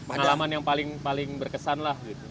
pengalaman yang paling berkesan lah gitu